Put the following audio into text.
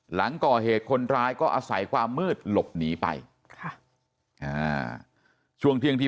หลังก่อเหตุคนร้ายก็อาศัยความมืดหลบหนีไปค่ะอ่าช่วงเที่ยงที่